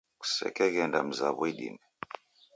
Kusekeghenda mzaw'o idime.